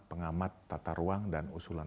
pengamat tata ruang dan usulan